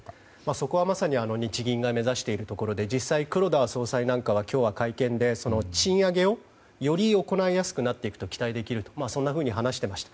そこはまさに日銀が目指しているところで実際、黒田総裁なんかは今日会見で賃上げをより行いやすくなっていくと期待できるというふうに話していました。